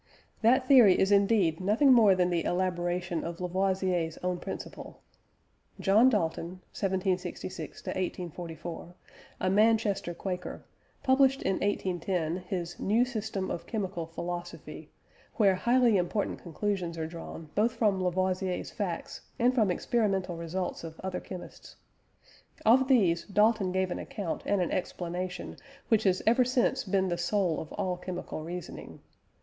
That theory is indeed nothing more than the elaboration of Lavoisier's own principle. John Dalton (1766 1844), a Manchester quaker, published in 1810 his New System of Chemical Philosophy, where highly important conclusions are drawn both from Lavoisier's facts and from experimental results of other chemists. Of these, Dalton gave an account and an explanation which has ever since been the soul of all chemical reasoning.